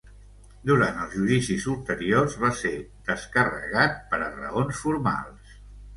Durant els judicis ulteriors, va ser descarregat per a raons formals.